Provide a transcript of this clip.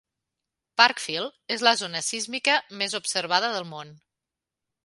Parkfield és la zona sísmica més observada del món.